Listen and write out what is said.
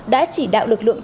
đã chỉ đạo lực lượng